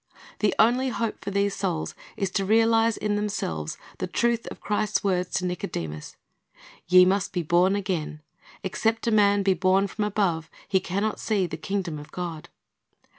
The only hope for these souls is to realize in themselves the truth of Christ's words to Nicodemus, "Ye must be born again." "Except a man be born from above, he can not see the kingdom of God.'"